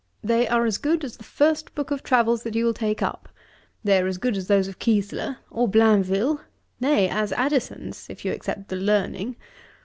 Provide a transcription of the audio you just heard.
They are as good as the first book of travels that you will take up. They are as good as those of Keysler or Blainville; nay, as Addison's, if you except the learning.